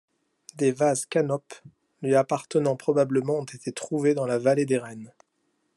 Des vases canopes lui appartenant probablement ont été trouvés dans la Vallée des reines.